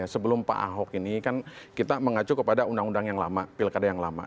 sebelum pak ahok ini kan kita mengacu kepada undang undang yang lama pilkada yang lama